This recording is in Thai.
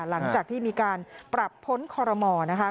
หลังจากที่มีการปรับพ้นคอรมอนะคะ